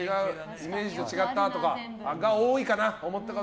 イメージと違ったとかが多いかな。